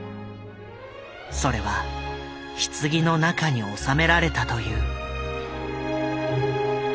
それはひつぎの中に納められたという。